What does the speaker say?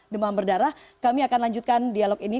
demam berdarah kami akan lanjutkan dialog ini